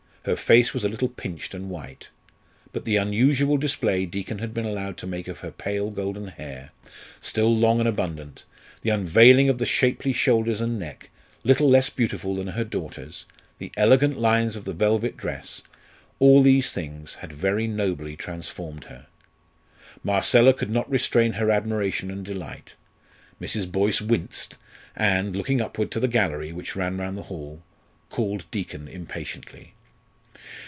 Her face was a little pinched and white. But the unusual display Deacon had been allowed to make of her pale golden hair, still long and abundant; the unveiling of the shapely shoulders and neck, little less beautiful than her daughter's; the elegant lines of the velvet dress, all these things, had very nobly transformed her. Marcella could not restrain her admiration and delight. Mrs. Boyce winced, and, looking upward to the gallery, which ran round the hall, called Deacon impatiently.